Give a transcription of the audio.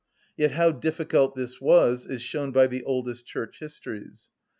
Yet how difficult this was is shown by the oldest Church histories.